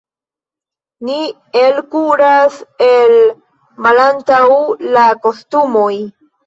Ni elkuras el malantaŭ la kostumoj.